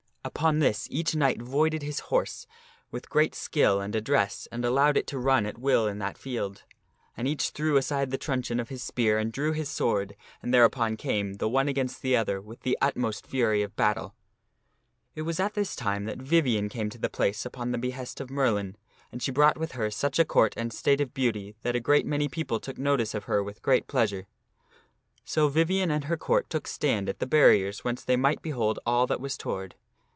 Upon this each knight voided his horse with great skill and address, and allowed it to run at will in that field. And each threw aside the truncheon of his spear and drew his sword, and thereupon came, the one against the other, with the utmost fury of battle. It was at this time that Vivien came to that place upon the behest of Merlin, and she brought with her such a Court and state of beauty that a Vivien cometh. reat m any people took notice of her with great pleasure. to the field of So Vivien and her Court took stand at the barriers whence they might behold all that was toward.